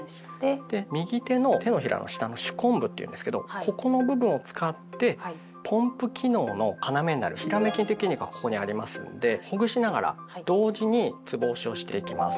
右手の手のひらの下の手根部っていうんですけどここの部分を使ってポンプ機能の要になるヒラメ筋っていう筋肉がここにありますんでほぐしながら同時につぼ押しをしていきます。